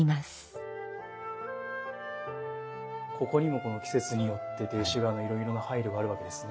ここにも季節によって亭主側のいろいろな配慮があるわけですね。